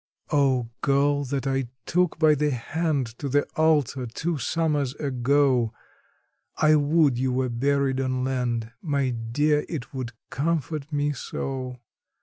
Oh, girl that I took by the hand to the altar two summers ago, I would you were buried on land my dear, it would comfort me so!